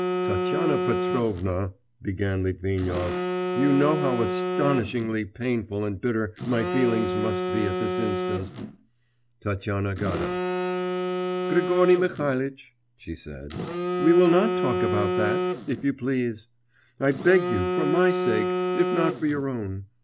'Tatyana Petrovna,' began Litvinov, 'you know how agonisingly painful and bitter my feelings must be at this instant.' Tatyana got up. 'Grigory Mihalitch,' she said, 'we will not talk about that ... if you please, I beg you for my sake, if not for your own.